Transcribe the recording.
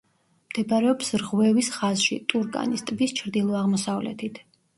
მდებარეობს რღვევის ხაზში, ტურკანის ტბის ჩრდილო-აღმოსავლეთით.